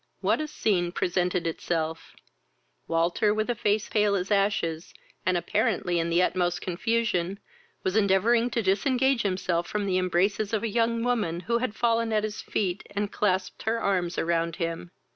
What a scene presented itself! Walter, with a face pale as ashes, and apparently in the utmost confusion, was endeavouring to disengage himself from the embraces of a young woman, who had fallen at his feet, and clasped her arms around him.